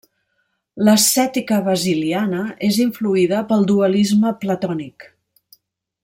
L'ascètica basiliana és influïda pel dualisme platònic.